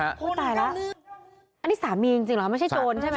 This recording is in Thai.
อันนี้สามีจริงหรอมันไม่ใช่โจรใช่มั้ย